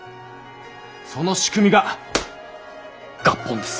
その仕組みが合本です。